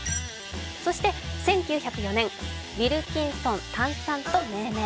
そして１９０４年、ウヰルキンソンタンサンと命名。